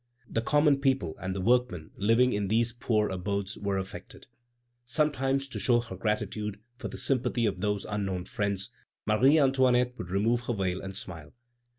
The common people and the workmen living in these poor abodes were affected. Sometimes, to show her gratitude for the sympathy of those unknown friends, Marie Antoinette would remove her veil, and smile.